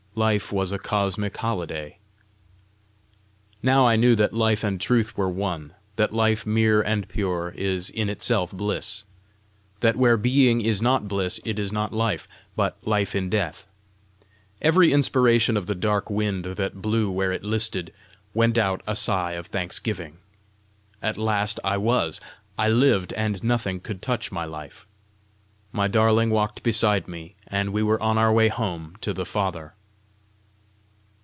Life was a cosmic holiday. Now I knew that life and truth were one; that life mere and pure is in itself bliss; that where being is not bliss, it is not life, but life in death. Every inspiration of the dark wind that blew where it listed, went out a sigh of thanksgiving. At last I was! I lived, and nothing could touch my life! My darling walked beside me, and we were on our way home to the Father!